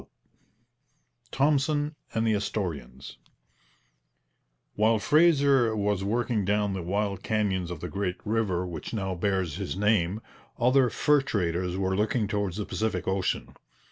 CHAPTER VII THOMPSON AND THE ASTORIANS While Fraser was working down the wild canyons of the great river which now bears his name, other fur traders were looking towards the Pacific ocean.